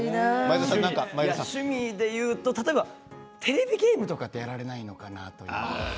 趣味でいうと、例えばテレビゲームとかってやらないのかな？